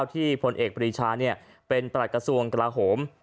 ที่พลเอกบริชาเนี่ยเป็นประหลักกระทรวงกระโหม